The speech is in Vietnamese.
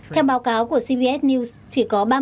theo báo cáo của cbs news